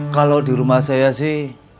kalau di rumah saya sih